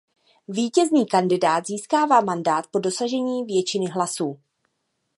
Vítězný kandidát získává mandát po dosažení většiny hlasů.